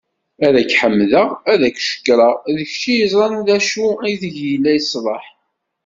Ad ak-ḥemmdeγ ad ak-cekkreγ d kečč i yeẓran d acu ideg yella leṣlaḥ.